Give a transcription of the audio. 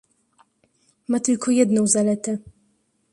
"Ma tylko jedną zaletę."